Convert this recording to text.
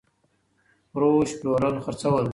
فروش √ پلورل خرڅول